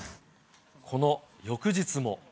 この翌日も。